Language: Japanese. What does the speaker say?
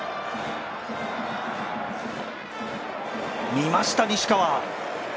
見ました、西川。